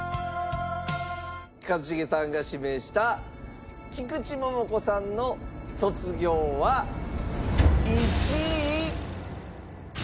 一茂さんが指名した菊池桃子さんの『卒業』は１位。